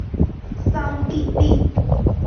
桑蒂利。